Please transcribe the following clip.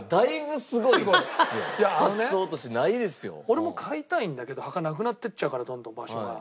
俺も買いたいんだけど墓なくなってっちゃうからどんどん場所が。